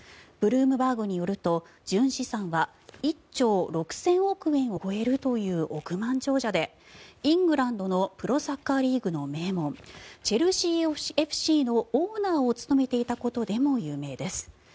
ブルームバーグによると純資産は１兆６０００億円を超えるという億万長者でイングランドのプロサッカーリーグの名門チェルシーＦＣのオーナーを務めていたことでも有名です。